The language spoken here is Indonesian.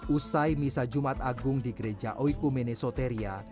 usai misa jumat agung di gereja oiku mene soteria